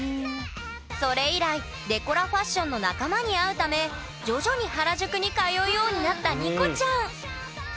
それ以来デコラファッションの仲間に会うため徐々に原宿に通うようになったＮＩＣＯちゃん。